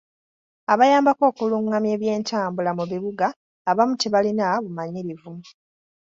Abayambako okulungamya ebyentambula mu bibuga abamu tebalina bumanyirivu.